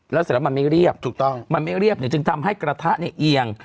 แล้วเสร็จแล้วมันไม่เรียบถูกต้องมันไม่เรียบเนี่ยจึงทำให้กระทะเนี่ยเอียง